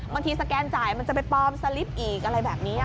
สแกนจ่ายมันจะไปปลอมสลิปอีกอะไรแบบนี้